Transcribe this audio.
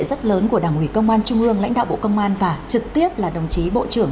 rất lớn của đảng ủy công an trung ương lãnh đạo bộ công an và trực tiếp là đồng chí bộ trưởng